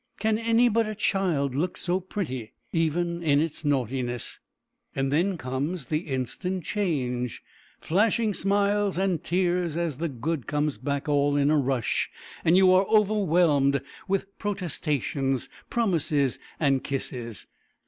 Can any but a child look so pretty, even in its naughtiness? Then comes the instant change; flashing smiles and tears as the good comes back all in a rush, and you are overwhelmed with protestations, promises, and kisses!